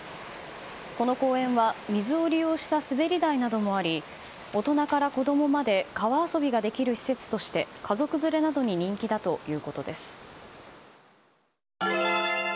この公園は水を利用した滑り台などもあり大人から子供まで川遊びができる施設として家族連れなどに人気だということです。